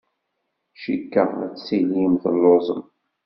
Cikkeɣ ad tilim telluẓem.